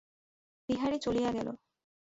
বিহারী চলিয়া গেল।